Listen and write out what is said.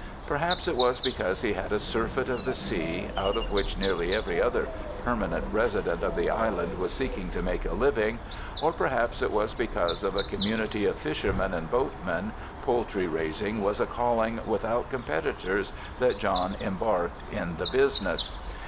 Perhaps it was because he had a surfeit of the sea, out of which nearly every other permanent resident of the island was seeking to make a living, or per haps it was because in a community of fishermen and boatmen, poultry raising was a calling without competitors, that John embarked in the business.